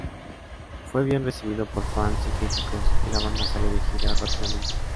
Fue bien recibido por fans y críticos y la banda salió de gira rápidamente.